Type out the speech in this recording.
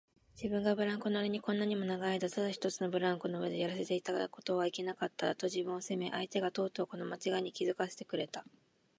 自分がブランコ乗りにこんなにも長いあいだただ一つのブランコの上でやらせていたことはいけなかった、と自分を責め、相手がとうとうこのまちがいに気づかせてくれた